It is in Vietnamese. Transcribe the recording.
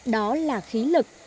đó là khí lực